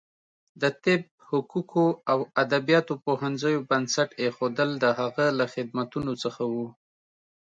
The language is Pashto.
د طب، حقوقو او ادبیاتو پوهنځیو بنسټ ایښودل د هغه له خدمتونو څخه و.